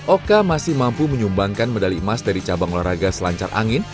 oka masih mampu menyumbangkan medali emas dari cabang olahraga selancar angin